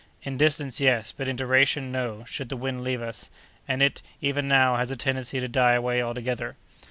"In distance, yes; but in duration, no, should the wind leave us; and it, even now, has a tendency to die away altogether."